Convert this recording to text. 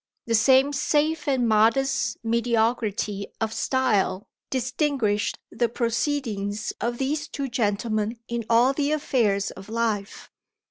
The same safe and modest mediocrity of style distinguished the proceedings of these two gentlemen in all the affairs of life.